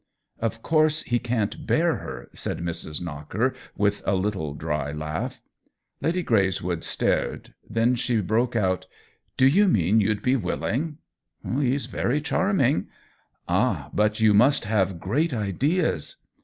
" Of course he can't bear her !" said Mrs. Knocker, with a little dry laugh. *' Lady Greyswood stared ; then she broke out :" Do you mean you'd be willing —?"" He's very charming.'' " Ah, but you must have great ideas."